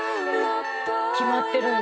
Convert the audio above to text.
決まってるんだ。